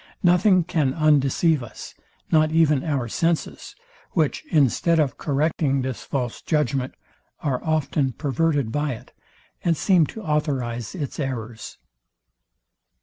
Nothing can undeceive us, not even our senses, which, instead of correcting this false judgment, are often perverted by it, and seem to authorize its errors.